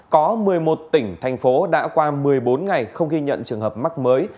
có một mươi một tỉnh thành phố đã qua một mươi bốn ngày không ghi nhận trường hợp mắc mới